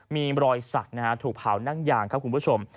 มีรอยสักถูกเผานั่งยางครับคุณผู้ชม